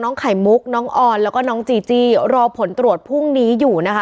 ไข่มุกน้องออนแล้วก็น้องจีจี้รอผลตรวจพรุ่งนี้อยู่นะคะ